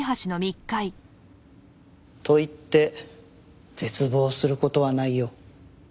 といって絶望する事はないよ。